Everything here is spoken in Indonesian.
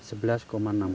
itu cuma turun itu